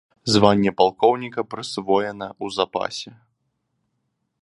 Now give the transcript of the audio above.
Званне палкоўніка прысвоена ў запасе.